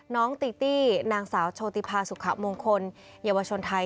น้องตีตี้นางสาวโชติภาสุขมงคลเยาวชนไทย